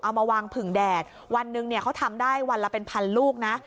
เอามาวางผึ่งแดดวันหนึ่งเนี่ยเขาทำได้วันละเป็นพันลูกนะ